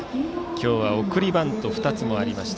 今日は送りバント２つもありました。